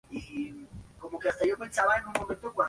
Recibió varios premios durante su carrera.